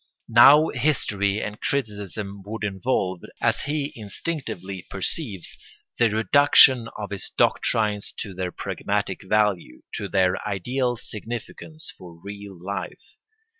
Now history and criticism would involve, as he instinctively perceives, the reduction of his doctrines to their pragmatic value, to their ideal significance for real life.